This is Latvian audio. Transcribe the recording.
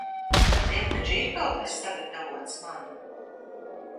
Tev taču ir kaut kas sagatavots man?